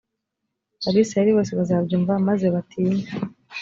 abayisraheli bose bazabyumva maze batinye,